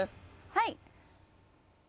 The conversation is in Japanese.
はい。